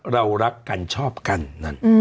เรารักกันชอบกันนั้น